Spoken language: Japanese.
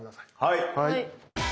はい。